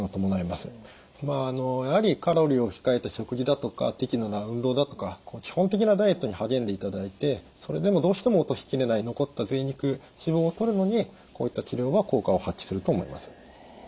まあやはりカロリーを控えた食事だとか適度な運動だとか基本的なダイエットに励んでいただいてそれでもどうしても落としきれない残ったぜい肉脂肪をとるのにこういった治療は効果を発揮すると思います。